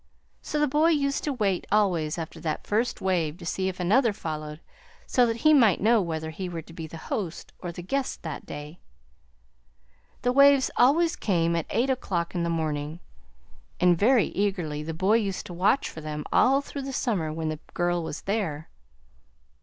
So the boy used to wait always, after that first wave to see if another followed; so that he might know whether he were to be host or guest that day. The waves always came at eight o'clock in the morning, and very eagerly the boy used to watch for them all through the summer when the girl was there."